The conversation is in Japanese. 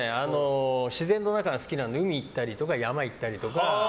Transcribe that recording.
自然の中が好きなので海行ったりとか山行ったりとか。